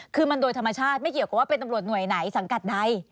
คือมันโดยธรรมชาติไม่เกี่ยวกับว่าเป็นตำรวจหน่วยไหนสังกัดใด